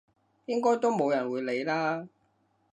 應該都冇人會理啦！